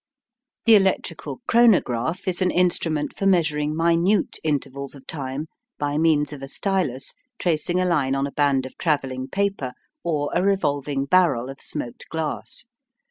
The electrical chronograph is an instrument for measuring minute intervals of time by means of a stylus tracing a line on a band of travelling paper or a revolving barrel of smoked glass.